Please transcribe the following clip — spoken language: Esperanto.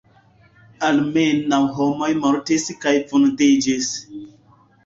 Almenaŭ homoj mortis kaj vundiĝis.